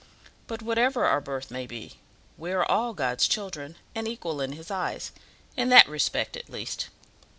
But whatever our birth may be, we are all God's children, and equal in His eyes, in that respect at least.